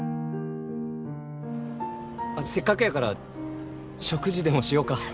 せっかくやから食事でもしようか。